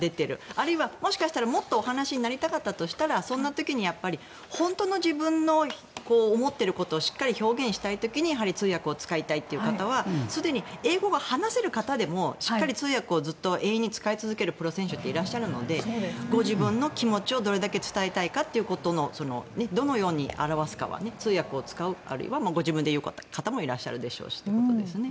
あるいはもしかしたらもっとお話になりたかったとしたらそんな時に本当の自分の思っていることをしっかり表現したい時にやはり通訳を使いたいという方はすでに英語が話せる方でもしっかり通訳をずっと永遠に使い続けるプロ選手っていらっしゃるのでご自分の気持ちをどれだけ伝えたいかというどのように表すかは通訳を使うあるいはご自分で言う方もいらっしゃるでしょうしということですね。